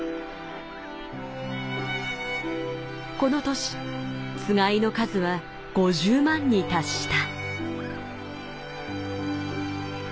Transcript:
この年つがいの数は５０万に達した。